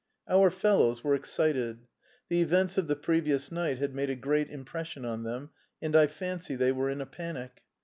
"Our fellows" were excited. The events of the previous night had made a great impression on them, and I fancy they were in a panic.